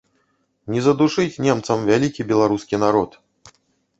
Не задушыць немцам вялікі беларускі народ!